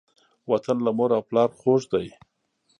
وطن له مور او پلاره خوږ دی.